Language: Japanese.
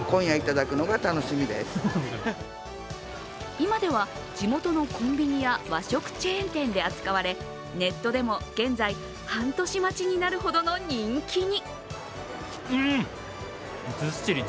今では地元のコンビニや和食チェーン店で扱われ、ネットでも現在、半年待ちになるほどの人気に。